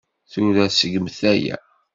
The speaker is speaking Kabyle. Tura, seggmet aya.